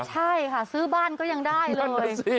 ใช่ค่ะซื้อบ้านก็ยังได้เลย